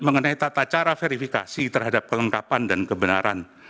mengenai tata cara verifikasi terhadap kelengkapan dan kebenaran